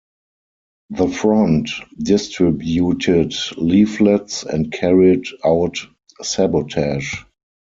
The front distributed leaflets and carried out sabotage.